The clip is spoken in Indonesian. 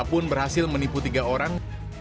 pun berhasil menipu tiga orang